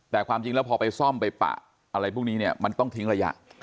แต่ความจริงแล้วพอไปซ่อมไปปะอะไรพวกนี้เนี่ยมันต้องทิ้งระยะ